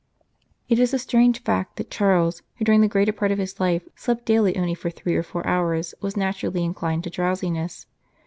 It is a strange fact that Charles, who during the greater part of his life slept daily only for three or four hours, was naturally inclined to drowsiness.